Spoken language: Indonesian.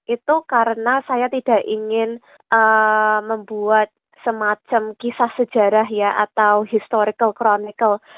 itu karena saya tidak ingin membuat semacam kisah sejarah ya atau historical chronical